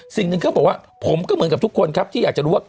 สิ่งหนึ่งเขาบอกว่าผมก็เหมือนกับทุกคนครับที่อยากจะรู้ว่า